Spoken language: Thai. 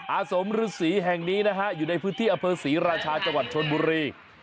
อาสมฤษีแห่งนี้นะฮะอยู่ในพื้นที่อเภอศรีราชาจังหวัดชนบุรี